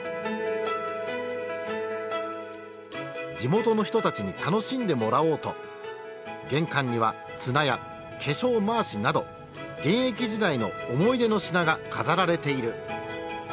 地元の人たちに楽しんでもらおうと玄関には綱や化粧まわしなど現役時代の思い出の品が飾られている。